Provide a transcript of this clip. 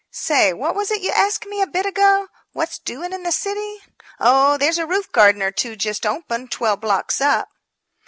Say, what was it you asked me a bit ago what's doing in the city? Oh, there's a roof garden or two just opened, twelve blocks up."